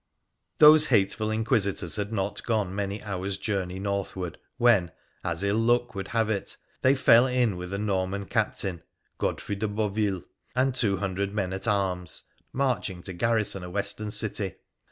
Those hateful inquisitors had not gone many hours' journey northward, when, as ill luck would have it, they fell in with a Norman Captain, Godfrey de Boville, and two hundred men at arms, marching to garrison a western city.